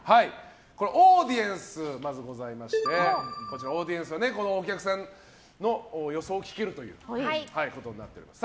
オーディエンスがまずございましてオーディエンスはお客さんの予想を聞けるということになっております。